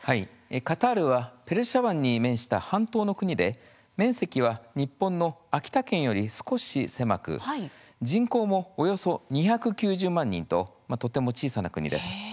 カタールはペルシャ湾に面した半島の国で面積は日本の秋田県より少し狭く人口もおよそ２９０万人ととても小さな国です。